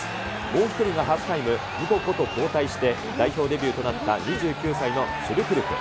もう１人がハーフタイム、ムココと交代して、代表デビューとなった２９歳のフュルクルク。